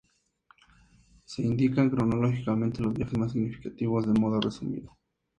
Se indican cronológicamente los viajes más significativos de modo resumido.